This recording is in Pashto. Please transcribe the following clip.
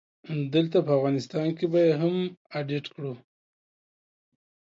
دلته په افغانستان کې به يې هم اډيټ کړو